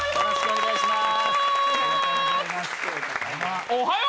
よろしくお願いします。